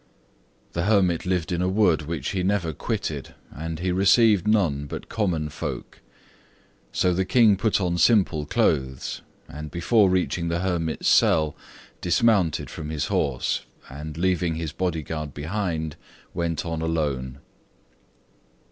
The hermit lived in a wood which he never quitted, and he received none but common folk. So the King put on simple clothes, and before reaching the hermit's cell dismounted from his horse, and, leaving his body guard behind, went on alone.